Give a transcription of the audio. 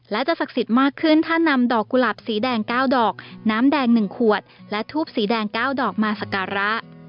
และจะศักดิ์สิทธิ์มากขึ้นถ้านำดอกกุหลาบสีแดง๙ดอกน้ำแดง๑ขวดและทูบสีแดง๙ดอกมาสักการะ